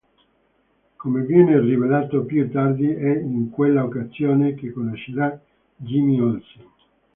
Come viene rivelato più tardi, è in quella occasione che conoscerà Jimmy Olsen.